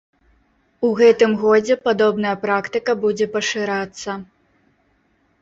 У гэтым годзе падобная практыка будзе пашырацца.